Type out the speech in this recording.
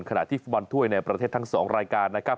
ขณะที่ฟุตบอลถ้วยในประเทศทั้ง๒รายการนะครับ